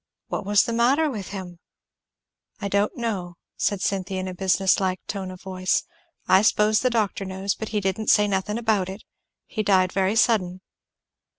"What was the matter with him?" "I don't know," said Cynthy in a business like tone of voice, "I s'pose the doctor knows, but he didn't say nothing about it. He died very sudden."